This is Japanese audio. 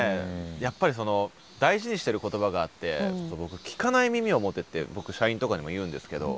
やっぱりその大事にしてる言葉があって僕聞かない耳を持てって僕社員とかにも言うんですけど。